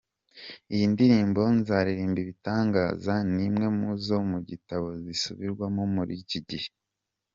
Iyi ndirimbo Nzaririmba ibitangaza, ni imwe mu zo mu gitabo zisubirwamo muri iki gihe.